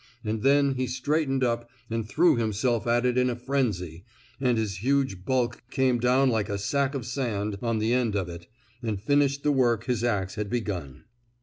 And then he straightened up and threw himself at it in a frenzy, and his huge bulk came down like a sack of sand on the end of it, and finished the work his ax had begun.